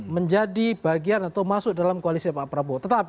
menjadi bagian atau masuk dalam koalisi pak prabowo